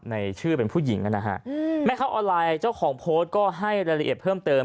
ในชื่อเป็นผู้หญิงนะฮะแม่ค้าออนไลน์เจ้าของโพสต์ก็ให้รายละเอียดเพิ่มเติม